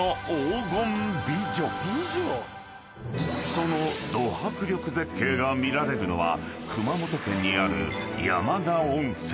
［そのド迫力絶景が見られるのは熊本県にある］